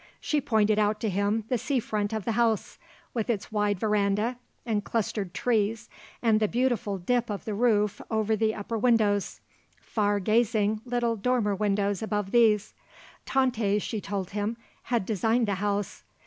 She pointed out to him the sea front of the house, with its wide verandah and clustered trees and the beautiful dip of the roof over the upper windows, far gazing little dormer windows above these. Tante, she told him, had designed the house.